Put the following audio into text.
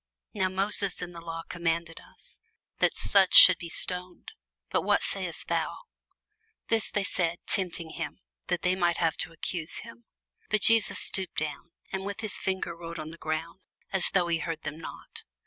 Now Moses in the law commanded us, that such should be stoned: but what sayest thou? This they said, tempting him, that they might have to accuse him. But Jesus stooped down, and with his finger wrote on the ground, as though he heard them not.